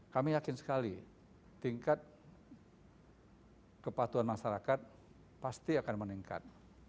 kami yakin sekali tingkat kepatuhan masyarakat pasti akan meningkat